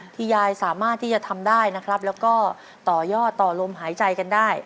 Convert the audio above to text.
ยายสามารถที่จะทำได้นะครับแล้วก็ต่อยอดต่อลมหายใจกันได้